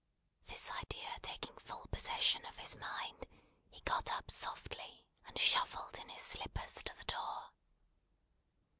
This idea taking full possession of his mind, he got up softly and shuffled in his slippers to the door.